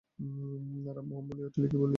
রামমোহন বলিয়া উঠিল, কী বলিলি, নিমকহারাম?